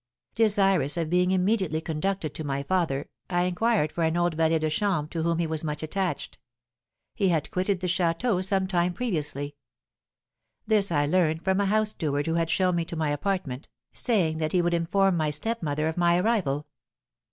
Desirous of being immediately conducted to my father, I inquired for an old valet de chambre to whom he was much attached; he had quitted the château some time previously. This I learned from a house steward who had shown me to my apartment, saying that he would inform my stepmother of my arrival.